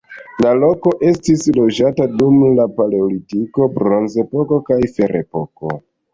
La loko estis loĝata dum la paleolitiko, bronzepoko kaj ferepoko.